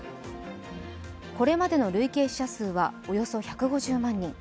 これまでの累計死者数はおよそ１５０万人。